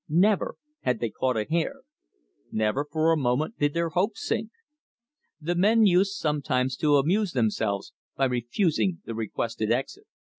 Never had they caught a hare. Never for a moment did their hopes sink. The men used sometimes to amuse themselves by refusing the requested exit.